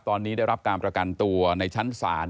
ตอนนี้ได้รับการประกันตัวในชั้นศาล